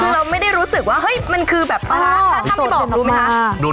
คือเราไม่ได้รู้สึกว่าเฮ้ยมันคือแบบถ้าไม่บอกรู้ไหมคะ